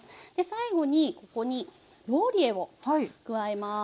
最後にここにローリエを加えます。